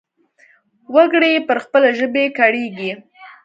وګړي يې پر خپلې ژبې ګړيږي.